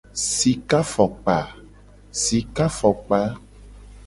Sika fokpa.